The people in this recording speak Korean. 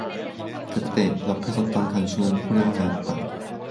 그때 옆에 섰던 간수는 호령을 하였다.